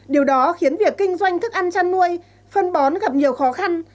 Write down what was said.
điều đó khiến việc kinh doanh thức ăn chăn nuôi phân bón gặp nhiều khó khăn